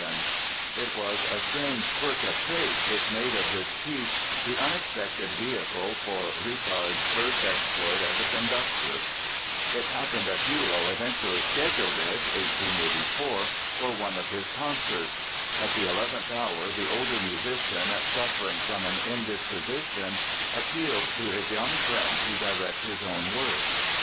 And it was a strange quirk of fate which made of this piece the unexpected vehicle for Richard's first exploit as a conductor! It so happened that Bülow eventually scheduled it (1884) for one of his concerts. At the eleventh hour the older musician, suffering from an indisposition, appealed to his young friend to direct his own work.